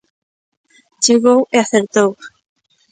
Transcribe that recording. Chegou e acertou.